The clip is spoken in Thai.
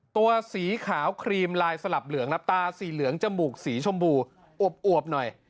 ตัวสีขาวครีมลายสลับเหลืองนับตาสีเหลืองจมูกสีชมพูอวบหน่อย